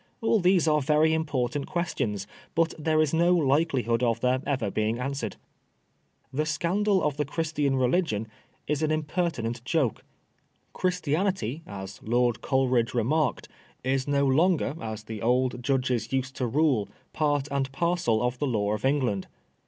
All these are very important questions, but there is no likelihood of their ever being answered. " The scandal of the Christian Religion " is an im pertinent joke. Christianity, as Lord Coleridge re marked, is no longer, as the old judges used to rule, part and parcel of the law of England.